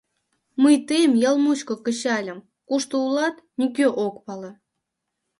— Мый тыйым ял мучко кычальым, кушто улат — нигӧ ок пале.